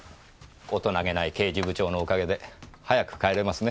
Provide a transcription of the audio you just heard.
大人気ない刑事部長のおかげで早く帰れますね。